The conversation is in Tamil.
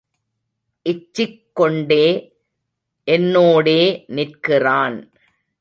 இச்சிக் கொண்டே என்னோடே நிற்கிறான்.